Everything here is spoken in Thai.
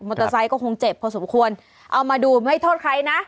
เตอร์ไซค์ก็คงเจ็บพอสมควรเอามาดูไม่โทษใครนะ